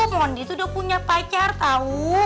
mondi itu udah punya pacar tau